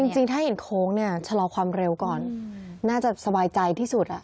จริงถ้าเห็นโค้งเนี่ยชะลอความเร็วก่อนน่าจะสบายใจที่สุด